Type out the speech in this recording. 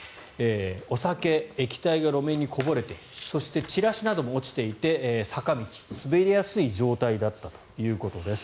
お酒、液体が路面にこぼれているそして、チラシなども落ちていて坂道、滑りやすい状態だったということです。